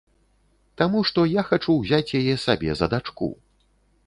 Таму, што я хачу ўзяць яе сабе за дачку.